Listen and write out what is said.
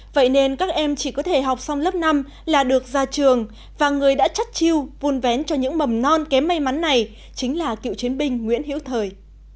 vậy nên các em chỉ có thể học xong lớp năm là được ra trường và người đã chắc chiêu vun vén cho những mầm non kém may mắn này chính là cựu chiến binh nguyễn hiễu thời